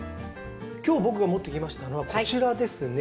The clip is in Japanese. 今日僕が持ってきましたのはこちらですね。